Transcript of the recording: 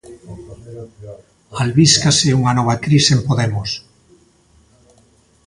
Albíscase unha nova crise en Podemos.